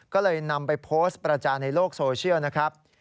ก็เลยนำไปโพสต์ประจานในโลกโซเชียลนะครับ